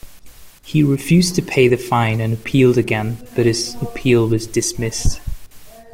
He refused to pay the fine and appealed again, but his appeal was dismissed.